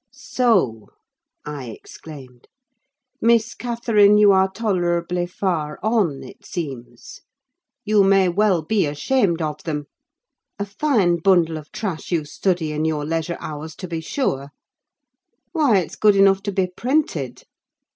"So," I exclaimed, "Miss Catherine, you are tolerably far on, it seems: you may well be ashamed of them! A fine bundle of trash you study in your leisure hours, to be sure: why, it's good enough to be printed!